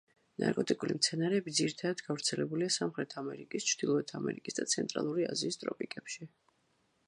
ნარკოტიკული მცენარეები ძირითადად გავრცელებულია სამხრეთ ამერიკის, ჩრდილოეთ ამერიკისა და ცენტრალური აზიის ტროპიკებში.